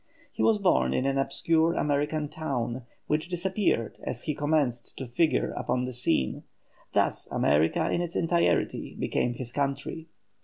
He was born in an obscure American town, which disappeared as he commenced to figure upon the scene; thus America in its entirety became his country.